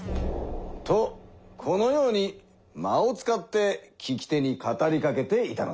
とこのように間を使って聞き手に語りかけていたのだ。